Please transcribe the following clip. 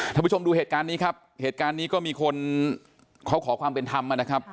ท่านผู้ชมดูเหตุการณ์นี้ครับเหตุการณ์นี้ก็มีคนเขาขอความเป็นธรรมนะครับ